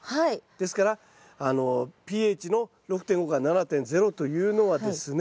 ですからｐＨの６．５から７．０というのはですね